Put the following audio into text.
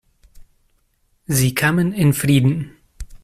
Sie kamen in Frieden.